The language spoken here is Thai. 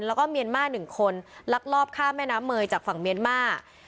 แล้วก็เมียนมาร์๑คนลักลอบข้ามแม่น้ำเมยจากฝั่งเมียนมาร์